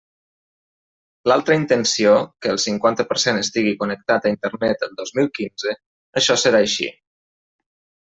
L'altra intenció, que el cinquanta per cent estigui connectat a Internet el dos mil quinze, això serà així.